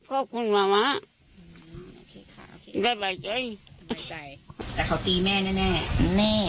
ขอบคุณมาม่าโอเคค่ะโอเคได้บ่ายใจบ่ายใจแต่เขาตีแม่แน่แน่